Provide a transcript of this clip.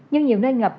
nhưng nhiều nơi ngập